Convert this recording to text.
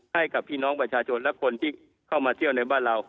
ให้กับพี่น้องประชาชนและคนที่เข้ามาเที่ยวในบ้านเรา